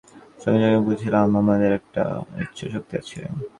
সঙ্গে সঙ্গে বুঝিলাম, আমাদের একটা ইচ্ছাশক্তি আছে।